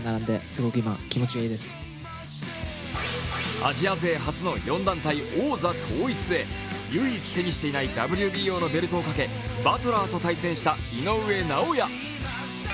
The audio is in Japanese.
アジア勢初の４団体王座統一へ、唯一、手にしていないＷＢＯのベルトをかけ、バトラーと対戦した井上尚弥。